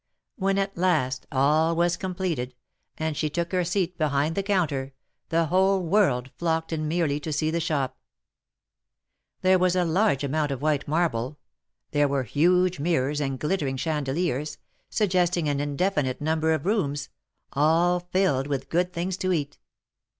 When at last all was completed, and she took her seat behind the counter, the whole world flocked in merely to see the shop. There was a large amount of white marble — there were huge mirrors and glittering chandeliers — suggesting an indefinite number of rooms — all filled with good things to eat.